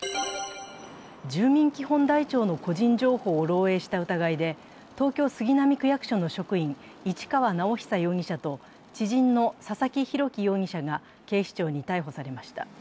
住民基本台帳の個人情報を漏洩した疑いで東京・杉並区役所の職員、市川直央容疑者と知人の佐々木洋樹容疑者が警視庁に逮捕されました。